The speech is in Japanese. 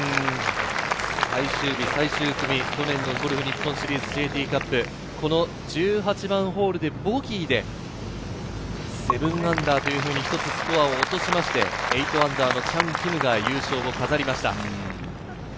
最終日、最終組、去年のゴルフ日本シリーズＪＴカップ、１８番ホールでボギーで−７というふうに１つスコアを落としまして、−８とチャン・キムが優勝を飾りました。